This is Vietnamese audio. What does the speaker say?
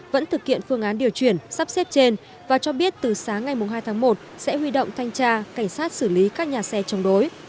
vẫn thực hiện phương án điều chuyển sắp xếp trên và cho biết từ sáng ngày hai tháng một sẽ huy động thanh tra cảnh sát xử lý các nhà xe chống đối